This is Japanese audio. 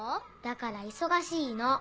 だから忙しいの。